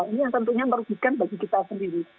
ini yang tentunya merugikan bagi kita sendiri